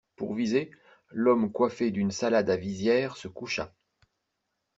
Pour viser, l'homme coiffé d'une salade à visière se coucha.